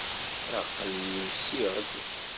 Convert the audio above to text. Aql-i usiɣ-d.